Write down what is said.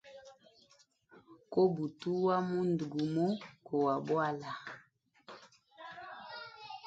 Kobutuwa mundu gumo kowa bwala.